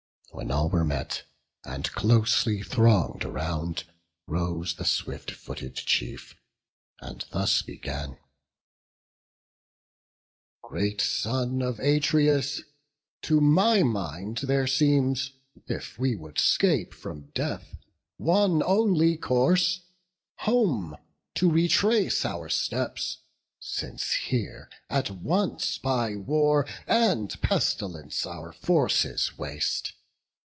When all were met, and closely throng'd around, Rose the swift footed chief, and thus began: "Great son of Atreus, to my mind there seems, If we would 'scape from death, one only course, Home to retrace our steps: since here at once By war and pestilence our forces waste.